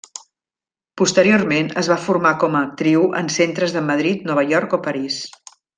Posteriorment, es va formar com a actriu en centres de Madrid, Nova York o París.